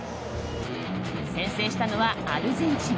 先制したのはアルゼンチン。